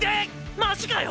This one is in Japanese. マジかよ